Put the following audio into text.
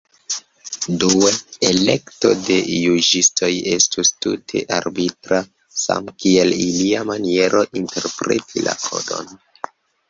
Due, elekto de juĝistoj estus tute arbitra, samkiel ilia maniero interpreti la kodon.